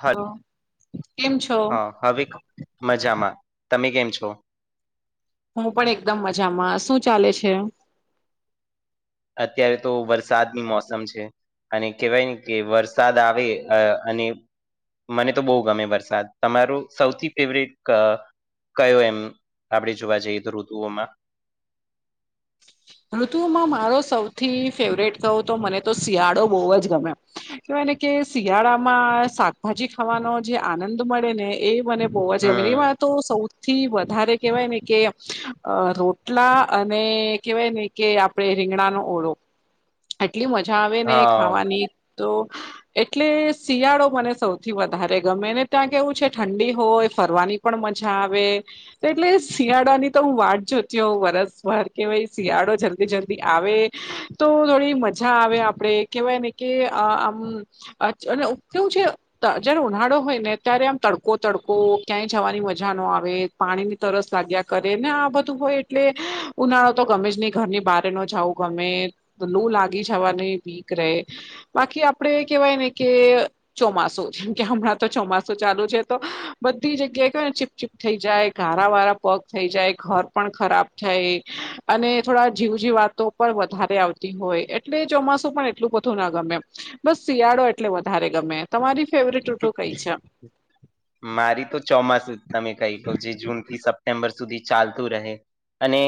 હ કેમ છો? હા હવે મજામાં તમે કેમ છો હું પણ એકદમ મજામાં શું ચાલે છે અત્યારે તો વરસાદની મોસમ છે અને કેહેવાય ને કે વરસાદ આવે અને મને તો બહુ ગમે વરસાદ તમારો સૌથી ફેવરેટ કયો એમ આપણેે જોવા જઈએ ઋતુઓમાં ઋતુમાં મારો સૌથી ફેવરેટ કહું તો મને તો શિયાળો બહુ જ ગમ કેવાય ને કે શિયાળામાં શાકભાજી ખાવાનો જે આનંદ મળે ને એ મને પોવા જ હમ કેમે તો સૌથી વધારે કેહેવાય ને કે રોટલા અને કેહેવાય ને કે આપડે રીંગડાનોો ઓળો એટલી મજા આવે ને હા ખાવાની તો એટલે શિયાળો મને સૌથી વધારે ગમે ને ત્યાં કેવું છે ઠંડી હોય ફરવાની પણ મજા આવે તો એટલે શિયાળા ની તો હું વાત જોતી હોઉં વરસભર કે ભ શિયાળો જલ્દી જલ્દી આવે તો થોડી મજા આવે આપડે કેહેવાય ને કે આમ અછ અને કેવું છે જયારે ઉનાળો હોય ને ત્યારે આમ તડકો તડકો ક્યાંય જવાની મજા ન આવે પાણી ની તરસ લાગ્યા કરે ને આ બધું હોય એટલે ઉનાળા તો ગમે જ નહી ઘરની બારે ન જાાવં ગમે લૂ લાગી જવા ની બીક રે બાકી આપડે કેહેવાય ને કે ચોમાસું છેમ કે હમણાં તો ચોમાસું ચાલુ છે તો બધી જગ્યાએય ને ચૂપ થઈ જાય ઘારા વારા પગ થઈ જાય ઘર પણ ખરાબ થાય અને થોડા જીવ જી વાતો પણ વધારે આવતી હોય એટલે ચોમાસું પણ એટલું બધું ના ગમે બસ શિયાળો એટલે વધારે ગમે તમારી ફેવરેટ રૂટો કઈ છે મારી તો ચોમાસું જ તમે કહી લો જે જૂન થી સપ સેમ્બર સુધી ચાલતું રહે અને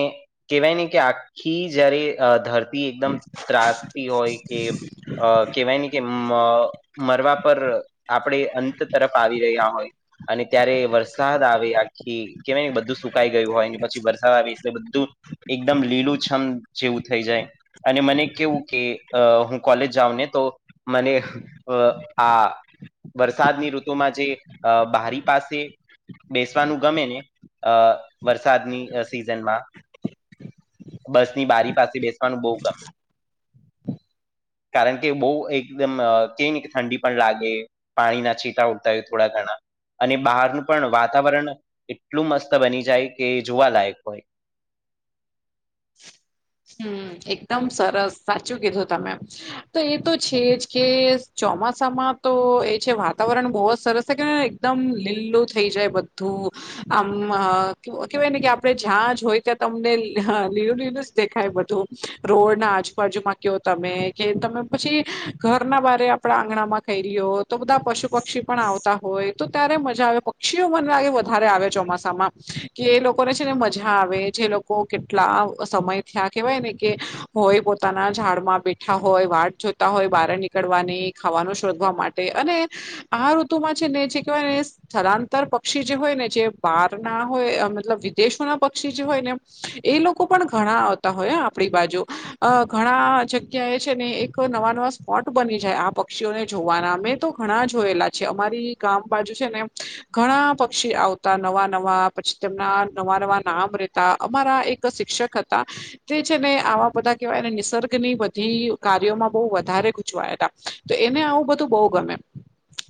કહેવાય ને કે આખી જયારે ધરતી એકદમ ત્રાસતી હોય કે કેહેવાય ને કે મરવા પર આપડે અંત તરફ આવી રહ્યા હોય અને ત્યારે વરસાદ આવે આખી કેવાય ને બધું સુકાઈ ગયું હોય પછી વરસાદ આવે એટલે બધું એકદમ લીલું છમ જેવું થઈ જાય અને મને કેવું કે હું કોલેજ જાઉં ને તો મને અ આ વરસાદની ઋતુમાં જે બારી પાસે બેસવાનું ગમે ને અ વરસાદની સિઝનમાં બસ ની બારી પાસે બેસવાનું બહુ ગમે કારણ કે બહ એકદમ ક ન કે ઠંડી પણ લાગે પાણી ના છીટા ઉડતાય્યું થોડા ઘણા અને બહારનું પણ વાતાવરણ એટલું મસ્ત બની જાય કે જોવાલાયક હોય હમ્મ એકદમ સરસ સાચું કીધું તમે તો એ તો છે જ કે ચોમાસામાં તો એ છે વાતાવરણ બહુ જ સરસ છે કે એકદમ લીલું થઈ જાય બધું આમ કેવાય ને કે આપડે જ્યાં જ હોય ત્યાં તમને લ દેખાય બધું રોડ ના આજુબાજુમાં કયો તમે કે તમે પછી ઘરના બરે આપડા આંગણામાં ખ [unintelligible] રહ હો તો બધા પશુ પક્ષી પણ આવતા હોય તો ત્યારે મજા આવે. પક્ષી મને લાગે વધારે આવે ચોમાસામાં કે એ લોકોને છે ને મજા આવે જે કેટલા સમય કેવાય ને કે હોય પોતાના ઝાડમાં બેઠા હોય વાટ જોતા હોય બાર ની પકડવાની ખાવાનું શોધવા માટે અને આ ઋતુમાં છે ને જે કવાય ને સ્થળાંતર પક્ષી જે હોય ને જે બહાર ના હોય મતલબ વિદેશોના પક્ષી જે હોય ને એ લોકો પણ ઘણા હોય આપણી બાજુ ઘણા જગ્યા એ છે ને એક નવા નવા સ્ટ [unintelligible] બની જાય આ પક્ષીઓને જોવાના અમે તો ઘણા જોયેલા છે. અમારી ગામ બાજુ છે ને ઘણા પક્ષી આવતા નવા નવા પછી તેમના નવા નવા નામ રેતા અમારા એક શિક્ષક હતા તા તે છે ને આવા બધા કેવાયને નિસર્ગની બધી કાર્યોમાં બહુ વધારે ગૂચવાયા હતા. તો એને આવું બધું બહુ ગમે.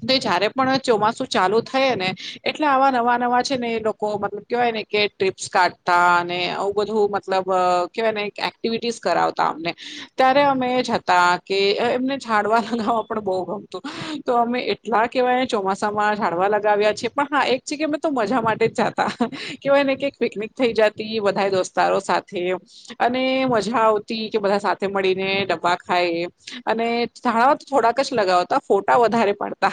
તો જયારે પણ ચોમાસુ ચાલુ થય ને એટલે આવા નવા નવા છે ને એ લોકો મતલબ કહેવાય ને કે ટ્રીપ્સ કાઢતા અને આવું બધું મતલબ કેવાય એક્ટિવિટીસ કરાવતા અમને ત્યારે અમે એ જ હતા કે એમને જાાડવા લગાવવા પણ બહુ ગમતું તો અમે એટલા કહેવાય ચોમાસામાં ઝાડવા લગાવ્યા છે પણ હા એક છે કે મેં તો મજા માટે જ જાતા. કેવાયને કક પિકનિક થઇ જતી બધા દોસ્તારો સાથે અને મજા આવતી કે બધા સાથે મળીને ડબ્બા ખાય અને ધાણા થોડાક જ લગાવતા ફોટા વધારે પાડતા.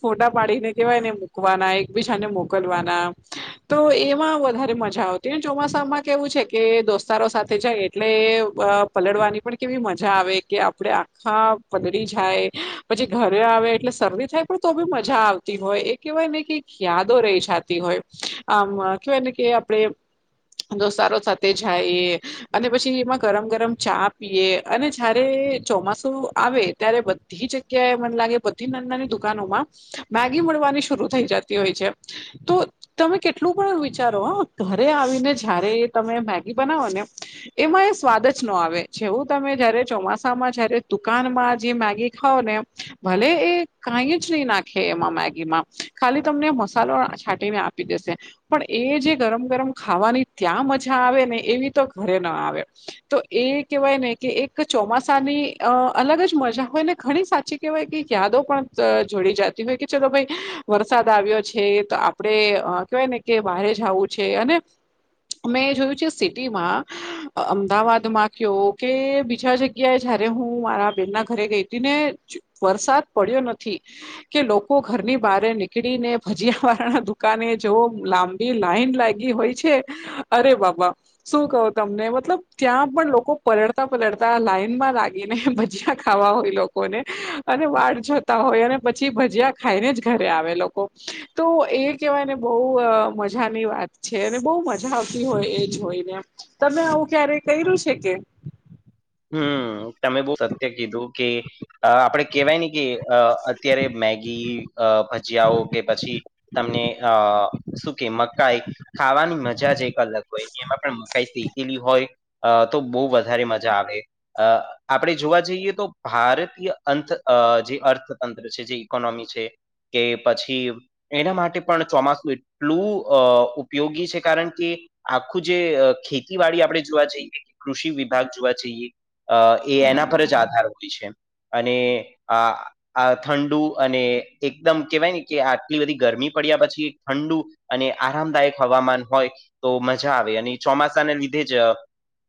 ફોટા પાડીને કેવાયને મૂકવાના એકબીજાને મોકલવાના તો એમાં વધારે મજા આવતી ને ચોમાસામાં કેવું છે કે દોસ્તારો સાથે જાય એટલે પલડવાની પણ કેવી મજા આવે કે આપડે આખા પદડી જાય પછી ઘરે આવે એટલે શરદી થાય પણ તો બી મજા આવતી હોય એ કેહેવાય ને કે યાદો રહી જતી હોય આમ કવાયને કે આપડે દોસ્તારો સાથે તે જાય અને પછી એમાં ગરમ ગરમ ચા પીએ અને જયારે ચોમાસું આવે ત્યારે બધી જગ્યાએ મને લાગે બધી નાની નાની દુકાનો મેગી મળવાની શરૂ થઈ જતી હોય છે. તો તમે કેટલું પણ વિચારો હ ઘરે આવીને જયારે ઈ તમને મેગી બનાવો ને એમાં એ સ્વાદ જ ન આવે છેવું તમે જયારે ચોમાસામાં જયારે દુકાનમાં જે મેગી ખાવઓ ને ભલે એ કઈ જ નહી નાખે એમાં મેગી માં ખાલી તમને મસાલો છાંટીને આપી દેશે પણ એ જે ગરમ ગરમ ખાવાની ત્યાં મજા મજા આવે ને એવી તો ઘરે ના આવે. તો એ કેવાય ને કે એક ચોમાસાની અ અલગ જ મજા હોય ને ઘણી સાચી કેવાય કે યાદો પણ જોડી જાતી હોય કે ચલો ભાઈ વરસાદ આવ્યો છે આપણે આપડે કહેવાય ને કે બહારે જવું છે અને મેં જોયું છે સિટીમાં અમદાવાદમાં કયો કે બીજા જગ્યાએ જયારે હું મારા બેન ના ઘરે ગઈ હતી ને વરસાદ પડ્યો નથી. કે લોકો ઘરની બહાર નીકળી ને ભજીયા વાળા ના દુકાને જોવો લાં એ લાઈન લાગી હોય છે અરે બાબા. શું કહો તમને મતલબ ત્યાં પણ લોકો પરલળતા પલળતા લાઈન માં લાગીને ભજીયા ખાવા હોય લોકોને અને વાટ જોતા હોય અને પછી ભજીયા ખાઈને જ ઘરે આવે લોકો. તો એ કેહેવાય ને બહુ મજાની વાત છે અને બહુ મજા આવતી હોય એજ હોયને તમે આવું ક્યારે કર્યું છે કે? હમ્મ તમે બઉ સત્ય કીધું. કે આપણેે અ કેહેવાય ને કે અત્યારે મેગી અ ભજીયાઓ કે પછી તમને અ શું કે મગ કાઈ ખાવાની મજા જ એક અલગ હોય એમાં પણ મકાઈ શેકેલી હોય. આ તો બો વધારે મજા આવે અ. આપણે જોવા જઈએ તો ભારતીય અથ જે અર્થતંત્ર છે જે ઈકોનોમી છે કે પછી એના માટે પણ ચોમાસું એટલું અ ઉપયોગી છે કારણ કે આખું જે ખેતીવાડી આપણે જોવા જઈએ કે કૃષિ વિભાગ જોવા અ એના પર જ આધાર હોય છે અને આ આ ઠંડુ અને એકદમ કેવાય ને કે આટલી બધી ગરમી પડ્યા પછી ઠંડુ અને આરામદાયક હવામાન હોય તો મજા આવે અને ચોમાસાને લીધે જ અ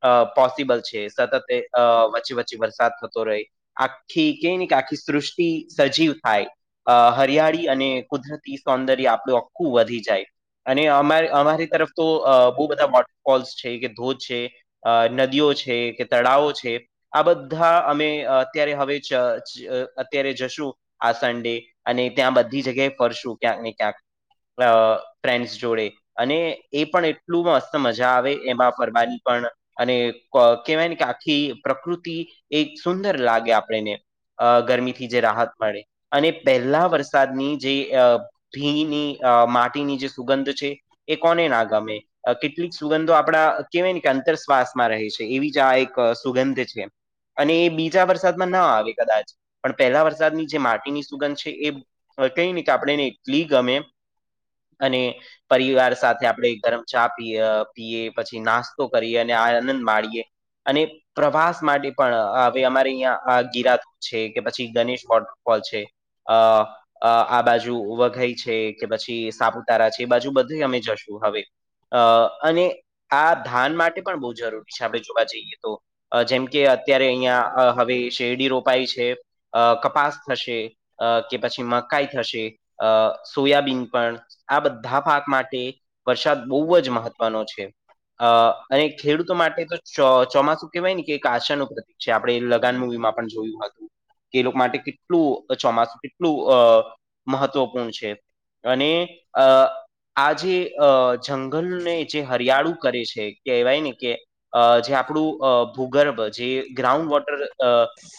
અ પોસિબલ છે સતત અ વચ્ચે વચ્ચે વરસાદ થતો રેય. આખી કેય ને કે આખી સૃષ્ટિ સજીવ થાય. અ હરિયાળી અને કુદરતી સૌંદર્ય આપણું આખું વધી જાય. અને અમા અમારી તરફ તો અ બો બધા વોટરફોલ્સ છે કે ધોધ છે. અ નદીઓ છે કે તળાવો છે આ બધા અમે અત્યારે હવે જ અ અત્યારે જશું આ સન્ડે અને ત્યાં બધી જગ્યાએ ફરશું ક્યાંક ને ક્યાંક. અ ફ્રેન્ડ્સ જોડે. અને એ પણ એટલું મસ્ત મજા આવે એમાં ફરવાની પણ અને અ કેવાય ને કે કે આખી પ્રકૃતિ એક સુંદર લાગે આપણને અ ગરમીથી જે રાહત મળે અને પહેલા વરસાદની જે અ ભીની માટીની જે સુગંધ છે એ કોને ના ગમે. અ કેટલીક સુગંધો આપણા કેહેવાય ને કે અંતર શ્વાસમાં રહે છે એવી જ આ એક સુગંધ છે. અને એ બીજા વરસાદમાં ન આવે કદાચ પણ પહેલા વરસાદની જે માટીની સુગંધ છે એ કઈ ની તો આપણે ને એટલી ગમે અને પરિવાર સાથે આપણે ગરમ ચા પીએ પીએ પછી નાસ્તો કરીએ અને આ આનંદ માડી એ અને પ્રવાસ માટે પણ હવે અમારે અહીં યા ગિરા ધોધ છે કે પછી ગણેશ ધોધ કોલ છે અ અ આ બાજુ વઘઈ છે કે પછી સાપુતારા છે એ બાજુ બધે અમે જશું હવે અ અને આ ધાન માટે પણ બો જરૂરી છે આપણે જોવા જઈએ. તો જેમ કે અત્યારે અહિયાં હવે શેરડી રોપાઈ છે. અ કપાસ થશે કે અ પછી મકાઈ થશે અ સોયાબીન પણ આ બધા પાક માટે વરસાદ બોવ જ મહત્વનો છે. અ અને ખેડૂતો માટે તો ચા ચોમાસું કહેવાય ને કે એક આશાનું પ્રતિક છે આપણેે લગાન મુવી માં પણ જોયું હતું. કે એ લોકો માટે કેટલું ચોમાસું કેટલું અ મહત્વપૂર્ણ છે. અને અ આ જે અ જંગલને જે હરિયાળું કરે છે કહેવાય ને કે અ જે આપ આપણું અ ભૂગર્ભ જે ગ્રાઉન્ડ વોટર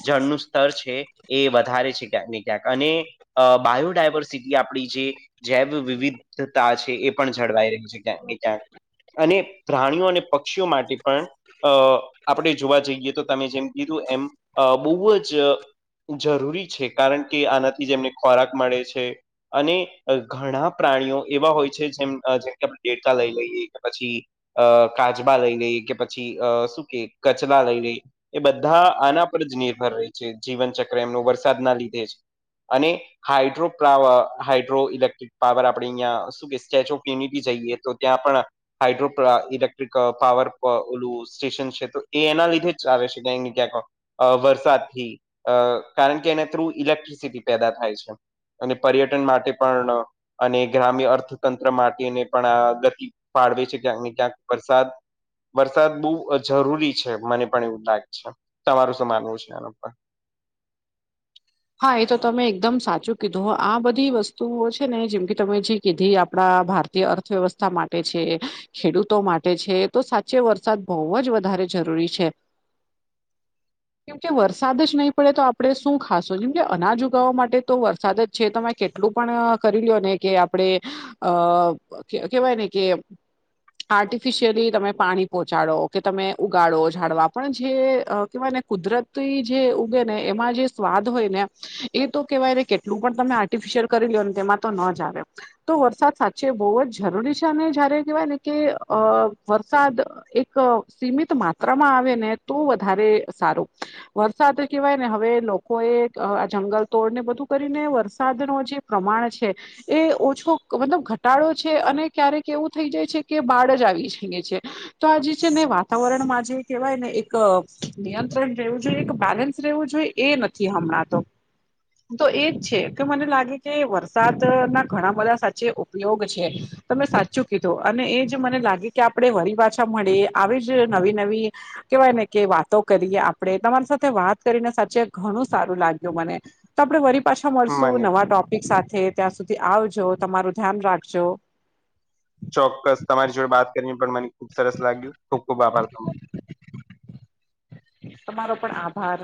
જળનું સ્તર છે. એ વધારે છે ક્યાંક ને ક્યાંક અને આ બાયોડાયવર્સિટી આપણી જે જેવ વિવિધતા છે એ પણ જળવાઈ રહી છે ક્યાંક ને ક્યાંક અને પ્રાણીઓ અને પક્ષીઓ માટે પણ અ આપણે જોવા જઈએ તો તમે જેમ કીધું એમ અ બોવ જ જરૂરી છે કારણ કે આનાથી જ એમને ખોરાક મળે છે. અને ઘણા પ્રાણીઓ એવા હોય છે જેમ જેમકે આપણે દેડકા લઈ લઈએ કે પછી અ કાચબા લઈ એ કે પછી અ શું કે કચલા લઈએ એ બધા આના પર જ નિર્ભર રહે છે જીવનચક્ર એમનો વરસાદના લીધે જ અને હાઇડ્રોપ્લાવર હાઇડ્રો ઇલેક્ટ્રિક પાવર આપડે અહિયાં શું કે સ્ટેચ્યુ ઓફ યુનિટી જઈએ તો ત્યાં પણ હાઇડ્રોપ અ લેક્ટ્રિક પાવર અ ઓલું સ્ટેશન છે તો એ એના લીધે જ આવે છે ક્યાને ક્યાંક. અ વરસાદથી અ કારણ કે એના થ્રુ ઇલેક્ટ્રિસિટી પેદા થાય છે. અને પર્યટન માટે પણ અને ગ્રામ્ય અર્થતંત્ર માટેને પણ આ ગતિ ફાળવે છે ક્યાંક ને ક્યાંક વરસાદ. વરસાદ બો જરૂરી છે મને પણ એવું લાગે છે. તમારું શું માનવું છે એના પર હા એ તો તમે એકદમ સાચું કીધું. આ બધી વસ્તુઓ છે ને જેમ કે તમે જે કીધી આપણા ભારતી જે અર્થવ્યવસ્થા માટે છે. ખેડૂતો માટે છે, તો સાચે વરસાદ બોવ જ વધારે જરૂરી છે. કેમકે વરસાદ જ નહીં પડે તો આપડે શું ખાસ કે અનાજ ઉગાવા માટે તો વરસાદ જ છે, તમે કેટલું પણ કરી લોયો ને કે આપડે અ કેવાય ને કે આર્ટિફિશિયલી તમે પાણી પહોંચાડો કે તમે ઉગાડો ઝાડવા પણ જે અ કહેવાય ને કુદરતી જે ઉગે ને એમાં જે સ્વાદ દ હોયને એ તો કેવાય કેટલું પણ તમે આર્ટિફિશિયલ કરી લયો ને તેમાં તો ન જ આવે તો વરસાદ સાચે બોવ જ જરૂરી છે, અને જયારે કહેવાય ને કે અ વરસાદ એક સીમિત માત્રામાં આવે ને તો વધારે સારું વરસાદ કેવાય ને હવે લો કો એ અ આ જંગલ તોડને બધું કરીને વરસાદ નો જે પ્રમાણ છે. એ ઓછો મતલબ ઘટાડો છે, અને ક્યારેક એવું થઈ જાય છે, કે બાળ જ આવી જઈએ છે. તો આ જે છે, ને વાતાવરણમાં જે કહેવાય ને એક નિયંત્રણ રહેવું જોઈએ એક બેલે સ રહેવું જોઈ એ નથી હમણાં તો તો એજ છે, કે મને લાગે કે વરસાદના ઘણા બધા સાચે ઉપયોગ છે. તમે સાચું કીધું અને એ જ મને લાગે કે આપણે વરી પાછા મળે આવી જ નવી નવી કેવાય ને કે વાતો કરીએ આપણે તમારી સાથે વાત કરીને સાચે ઘણું સારું લાગ્યું મને તો આપણે વરી પાછા મળશું મને નવા ટોપિક સાથે ત્યાં સુધી આવજો તમારું ધ્યાન રાખજો ચોક્કસ તમારી જોડે વાત કરીને પણ મને ખુબ સરસ લાગ્યું ખુબ ખુબ આભાર તમારો તમારો પણ આભાર